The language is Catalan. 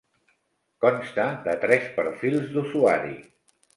Consta de tres perfils d'usuari.